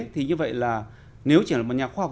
thì như vậy là nếu chỉ là một nhà khoa học